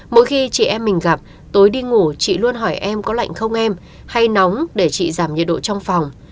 mỗi khi chị em mình gặp tôi đi ngủ chị luôn hỏi em có lạnh không em hay nóng để chị giảm nhiệt độ trong phòng